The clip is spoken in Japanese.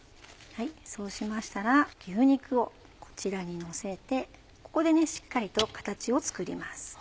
そうしましたら牛肉をこちらにのせてここでしっかりと形を作ります。